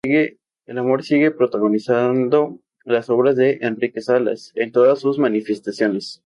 El amor sigue protagonizando las obras de Enrique Salas en todas sus manifestaciones.